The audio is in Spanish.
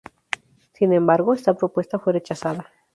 Sin embargo, esta propuesta fue rechazada.